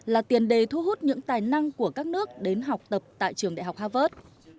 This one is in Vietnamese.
là tiền đề thu hút những tài năng của các nước đến học tập tại trường đại học harvard